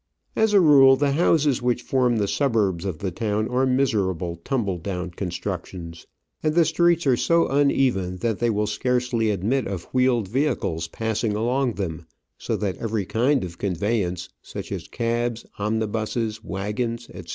As a rule, the houses which form the suburbs of the town are miserable tumble down constructions, and the streets are so un Digitized by VjOOQIC io6 Travels and Adventures even that they will scarcely admit of wheeled vehicles passing along them, so that every kind of conveyance, such as cabs, omnibuses, waggons, etc.